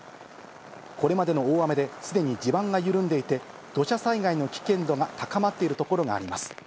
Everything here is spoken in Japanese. これまでの大雨で、すでに地盤が緩んでいて、土砂災害の危険度が高まっている所があります。